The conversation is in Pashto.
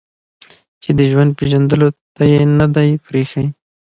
چې د ژوند پېژندلو ته يې نه ده پرېښې